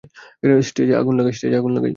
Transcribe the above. স্টেজে আগুন লাগাই!